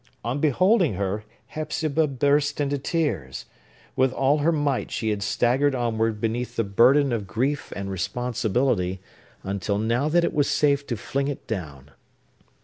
On beholding her, Hepzibah burst into tears. With all her might, she had staggered onward beneath the burden of grief and responsibility, until now that it was safe to fling it down.